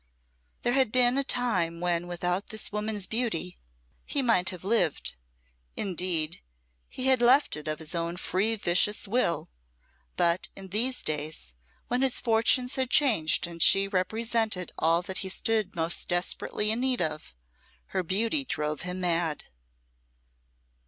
There had been a time when without this woman's beauty he might have lived indeed, he had left it of his own free vicious will; but in these days, when his fortunes had changed and she represented all that he stood most desperately in need of, her beauty drove him mad.